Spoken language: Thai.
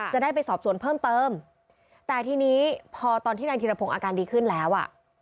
จะได้ไปสอบสวนเพิ่มเติมแต่ทีนี้พอตอนที่นายธิรพงศ์อาการดีขึ้นแล้วอ่ะ